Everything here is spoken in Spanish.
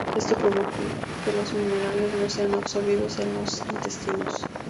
Esto provoca que los minerales no sean absorbidos en los intestinos.